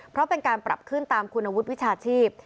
เพราะเป็นการปรับขึ้นตามคุณวุฒิวิชาชีพ